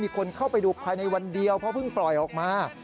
คนเข้าไปดูภายในวันเดียวเพราะเพิ่งปล่อยออกมา